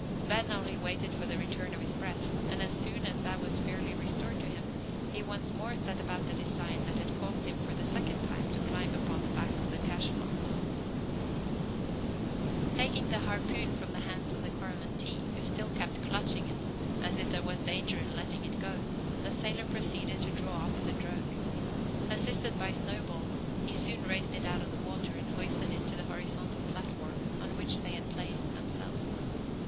Ben only waited for the return of his breath; and as soon as that was fairly restored to him, he once more set about the design that had caused him for the second time to climb upon the back of the cachalot. Taking the harpoon from the hands of the Coromantee, who still kept clutching it, as if there was danger in letting it go, the sailor proceeded to draw up the drogue. Assisted by Snowball, he soon raised it out of the water, and hoisted it to the horizontal platform, on which they had placed themselves.